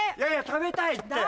食べたいって！